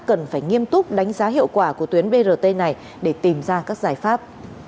cần phải nghiêm túc đánh giá hiệu quả của tuyến brt này để tìm ra các giải pháp